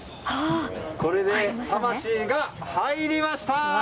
これで、魂が入りました！